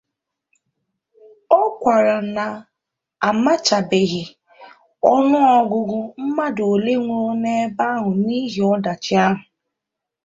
Ọ kọwara na a matachabeghị ọnụọgụgụ mmadụ ole nwụrụ n'ebe ahụ n'ihi ọdachi ahụ